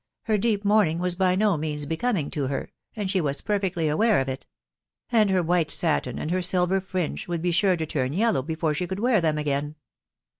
her deep mourning was by no means becoming to her, and she was perfectly aware of it ; and her white satin, and her silver fringe, would be sure to turn yellow before she could wear them .again.